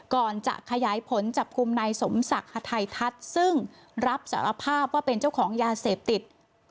ก่อนจะขยายผลจับกลุ่มนายสมศักดิ์ฮาไททัศน์ซึ่งรับสารภาพว่าเป็นเจ้าของยาเสพติด